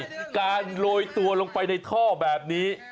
แต่ถ้ามันโรยตัวลงไปในท่อแบบนี้